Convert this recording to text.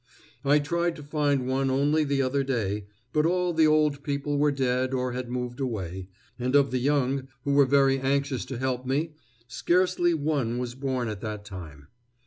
I tried to find one only the other day, but all the old people were dead or had moved away, and of the young, who were very anxious to help me, scarcely one was born at that time.